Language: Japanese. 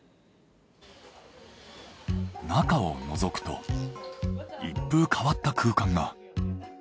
中をのぞくと一風変わった空間が。